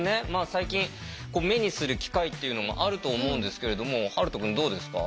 最近目にする機会っていうのもあると思うんですけれども遥斗くんどうですか？